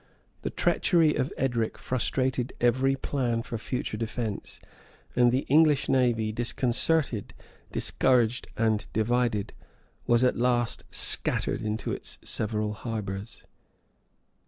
The treachery of Edric frustrated every plan for future defence; and the English navy, disconcerted, discouraged, and divided, was at last scattered into its several harbors.